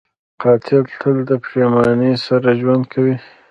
قاتل تل د پښېمانۍ سره ژوند کوي